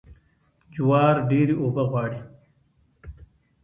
جوار ډیرې اوبه غواړي.